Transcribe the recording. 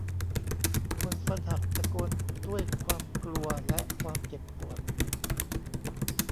คนฟันหักตะโกนด้วยความกลัวและความเจ็บปวด